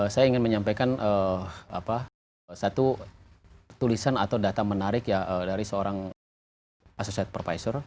saya ingin menyampaikan satu tulisan atau data menarik dari seorang asosiat profesor